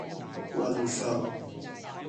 雲浮